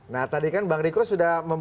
nah tadi kan bang riko sudah